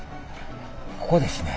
ここですね。